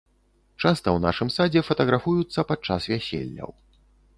Часта ў нашым садзе фатаграфуюцца падчас вяселляў.